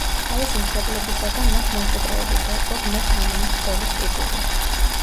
თავისი მშობლებისაგან მას მემკვიდრეობით ერგო „ღმერთ ამონის ცოლის“ ტიტული.